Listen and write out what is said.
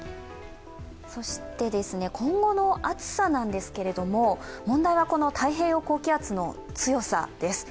そして、今後の暑さなんですけれども問題は太平洋高気圧の強さです。